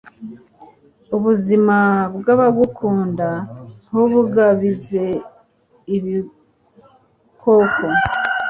Ubuzima bw’abagukunda ntubugabize ibikoko